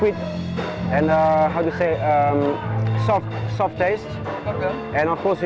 kita tidak bisa makan kalau tidak pakai kerupuk katanya